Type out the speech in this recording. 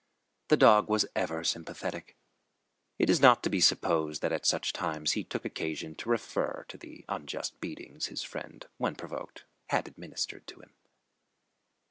The dog was ever sympathetic. It is not to be supposed that at such times he took occasion to refer to the unjust beatings his friend, when provoked, had administered to him.